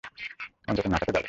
অন্তত নাচা তো যাবে।